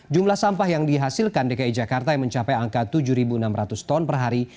jumlah sampah yang dihasilkan dki jakarta yang mencapai angka tujuh enam ratus ton per hari